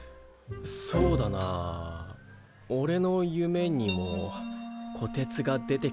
そうだなおれの夢にもこてつが出てきたかな。